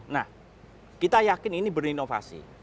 nah kita yakin ini berinovasi